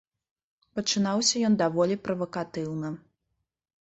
Пачынаўся ён даволі правакатыўна.